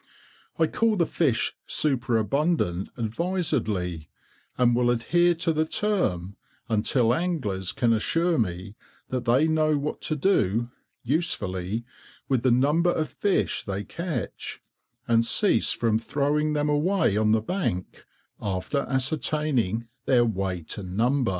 I call the fish superabundant advisedly, and will adhere to the term until anglers can assure me that they know what to do (usefully) with the number of fish they catch, and cease from throwing them away on the bank, after ascertaining their weight and number.